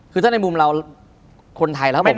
คือถ้าในมุมเราคนไทยแล้วผมไทย